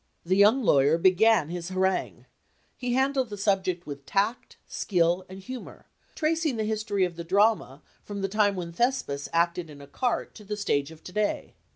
The young lawyer began his harangue. He handled the subject with tact, skill, and humor, tracing the history of the drama from the time when Thespis acted in a cart to the stage of to day.